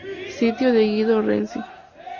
Sitio de Guido Renzi